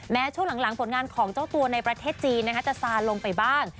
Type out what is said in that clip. ช่วงหลังผลงานของเจ้าตัวในประเทศจีนจะซาลงไปบ้าง